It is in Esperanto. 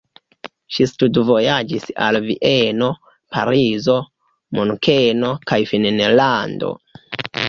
Ŝi studvojaĝis al Vieno, Parizo, Munkeno kaj Finnlando.